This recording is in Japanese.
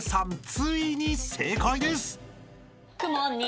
ついに正解です］